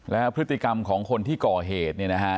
แล้วพฤติกรรมของคนที่ก่อเหตุเนี่ยนะฮะ